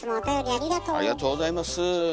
ありがとうございます。